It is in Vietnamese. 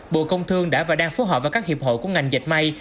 bộ công thương đã và đang phối hợp với các hiệp hội của ngành dịch may